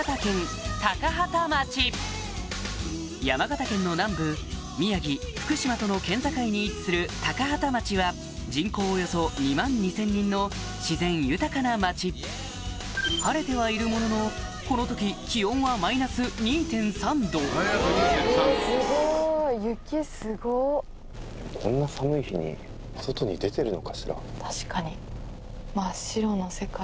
山形県の南部宮城福島との県境に位置する高畠町は人口およそ２万２０００人の自然豊かな町晴れてはいるもののこの時確かに。